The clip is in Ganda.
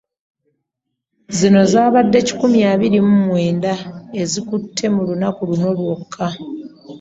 Zino zibadde kikumi abiri mu mwenda ezikutte mu lunaku lumu lwokka.